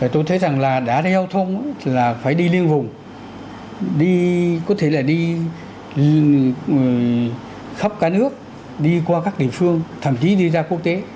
tôi thấy rằng là đã giao thông là phải đi liên vùng đi có thể là đi khắp cả nước đi qua các địa phương thậm chí đi ra quốc tế